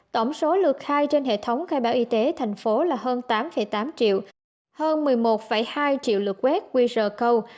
tổng số lượt khai trên hệ thống khai báo y tế thành phố là hơn tám tám triệu hơn một mươi một hai triệu lượt quét quý rờ câu